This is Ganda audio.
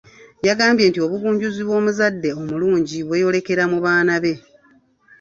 Yagambye nti obugunjuzi bw’omuzadde omulungi bweyolekera mu baana be.